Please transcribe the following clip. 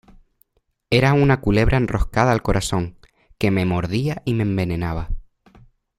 era una culebra enroscada al corazón, que me mordía y me envenenaba.